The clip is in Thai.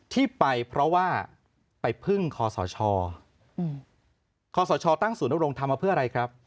ที่ไปเพราะว่าไปพึ่งคอสชคศตั้งศูนยำรงค์ทำมาเพื่ออะไรครับ